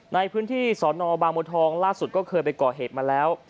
ในพื้นที่สอนอบางบัวทองล่าสุดก็เคยไปก่อเหตุมาแล้ว